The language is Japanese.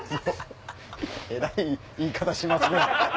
えらい言い方しますね。